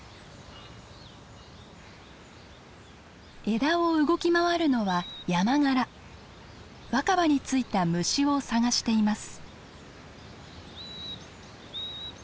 枝を動き回るのは若葉についた虫を探しています。